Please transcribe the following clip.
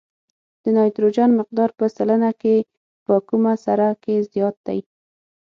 د نایتروجن مقدار په سلنه کې په کومه سره کې زیات دی؟